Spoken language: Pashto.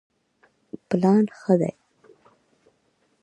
پلان ښه دی.